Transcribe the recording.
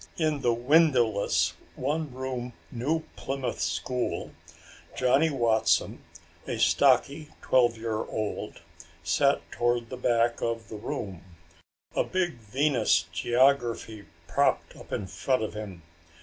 In the windowless, one room New Plymouth school, Johnny Watson, a stocky twelve year old, sat toward the back of the room, a big Venus geography propped up in front of him.